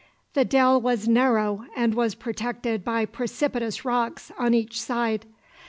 The dell was narrow, and was protected by precipitous rocks on each side.